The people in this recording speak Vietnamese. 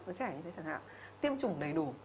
trẻ như thế chẳng hạn tiêm chủng đầy đủ